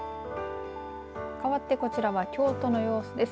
かわってこちらは京都の様子です。